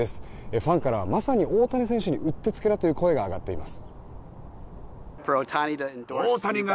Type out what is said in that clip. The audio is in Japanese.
ファンからは、まさに大谷選手にうってつけだという声が上がっています。